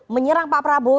menyerang pak prabowo